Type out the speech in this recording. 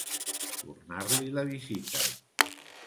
Tornar-li la visita.